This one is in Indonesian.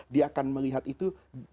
dia akan melihat itu